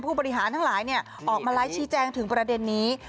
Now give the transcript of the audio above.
ผู้บริหารทั้งหลายออกมาไลฟ์ชี้แจงถึงประเด็นนี้